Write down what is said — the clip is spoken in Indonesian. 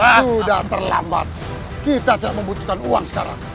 sudah terlambat kita tidak membutuhkan uang sekarang